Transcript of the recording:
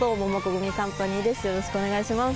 よろしくお願いします。